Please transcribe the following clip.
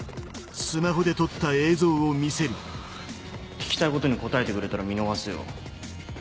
聞きたいことに答えてくれたら見逃すよ。